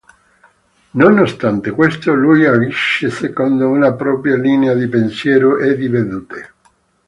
Nonostante questo lui agisce secondo una propria linea di pensiero e dì vedute.